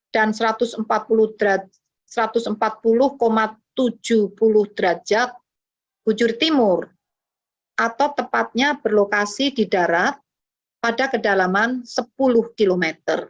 satu ratus empat puluh tujuh puluh derajat bujur timur atau tepatnya berlokasi di darat pada kedalaman sepuluh km